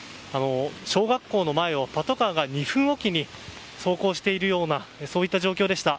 小学校の前をパトカーが２分おきに走行しているような状況でした。